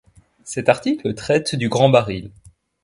Cet article traite du grand baril.